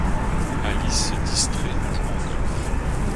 Alice se distrait en jouant au golf.